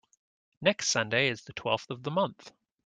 Next Sunday is the twelfth of the month.